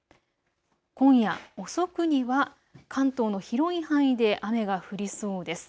今夜遅くには関東の広い範囲で雨が降りそうです。